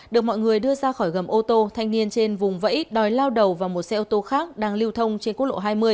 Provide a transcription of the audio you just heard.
được mọi người đưa ra khỏi gầm ô tô thanh niên trên vùng vẫy đòi lao đầu vào một xe ô tô khác đang lưu thông trên quốc lộ hai mươi